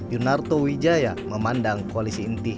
yunarto wijaya memandang koalisi inti